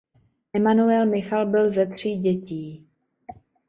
Emanuel Michal byl ze tří dětí.